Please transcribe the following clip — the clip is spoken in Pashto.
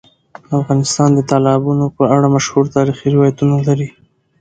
افغانستان د تالابونه په اړه مشهور تاریخی روایتونه لري.